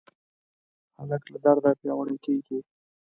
هلک له درده پیاوړی کېږي.